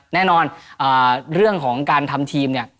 แน่นอนเรื่องของการทำทีมเนี่ย